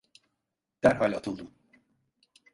Derhal atıldım: